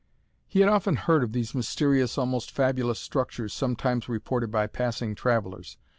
He had often heard of these mysterious, almost fabulous structures sometimes reported by passing travelers.